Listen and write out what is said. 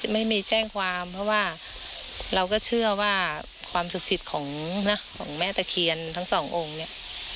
ไม่มีแจ้งความเพราะว่าเราก็เชื่อว่าความสุขสิทธิ์ของแม่ตะเคียนทั้งสององค์เนี่ย